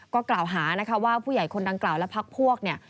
ก็กล่าวหานะคะว่าผู้ใหญ่คนดังกล่าวและพักพวกเนี่ย